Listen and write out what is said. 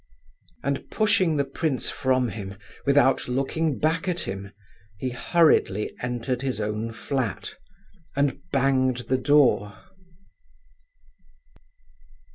And pushing the prince from him, without looking back at him, he hurriedly entered his own flat, and banged the door.